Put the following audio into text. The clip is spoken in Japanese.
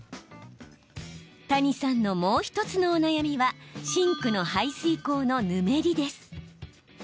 谷さんのもう１つのお悩みはシンクの排水口のヌメリです。